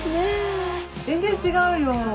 全然違うよ。